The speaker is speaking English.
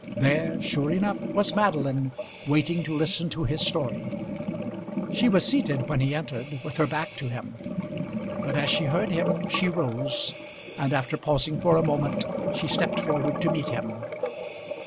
There, sure enough, was Madeline waiting to listen to his story. She was seated when he entered, with her back to him; but as she heard him she rose, and, after pausing for a moment, she stepped forward to meet him.